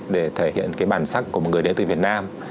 để thể hiện cái bản sắc của một người đến từ việt nam